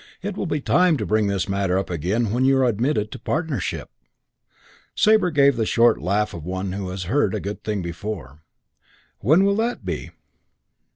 It will be time to bring up this matter again when you are admitted to partnership." Sabre gave the short laugh of one who has heard a good thing before. "When will that be?"